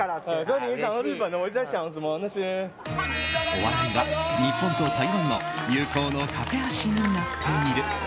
お笑いが日本と台湾の友好の懸け橋になっている。